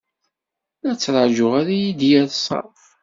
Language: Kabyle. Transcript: La ttṛajuɣ ad iyi-d-yerr ṣṣerf.